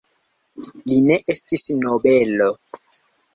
Li ne estis nobelo.